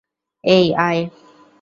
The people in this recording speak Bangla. এই, আয়।